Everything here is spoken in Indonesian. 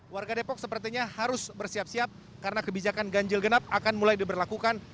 warga depok sepertinya harus bersiap siap karena kebijakan ganjil genap akan mulai diberlakukan